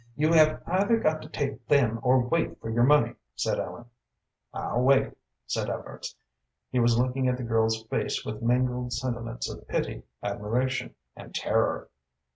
"You have either got to take them or wait for your money," said Ellen. "I'll wait," said Evarts. He was looking at the girl's face with mingled sentiments of pity, admiration, and terror.